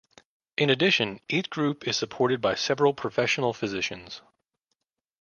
In addition, each group is supported by several professional physicians.